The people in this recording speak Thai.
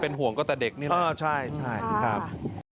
เป็นห่วงก็แต่เด็กนี่แหละครับใช่ครับอ๋อใช่